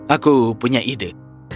aku punya ide